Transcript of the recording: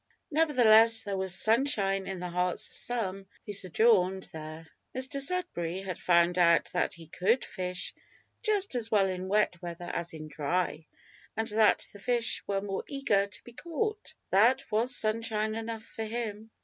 Nevertheless there was sunshine in the hearts of some who sojourned there. Mr Sudberry had found out that he could fish just as well in wet weather as in dry, and that the fish were more eager to be caught. That was sunshine enough for him!